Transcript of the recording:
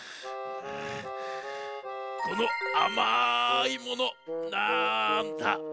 このあまいものなんだ？